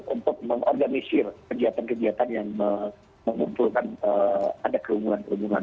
untuk mengorganisir kegiatan kegiatan yang mengumpulkan ada keunggulan keunggulan